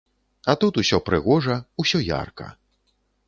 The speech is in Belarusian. А тут усё прыгожа, усё ярка.